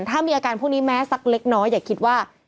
ถ้ามีอาการพวกนี้แม้สักเล็กน้อยอย่าคิดว่า